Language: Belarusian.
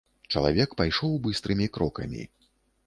Чалавек пайшоў быстрымі крокамі.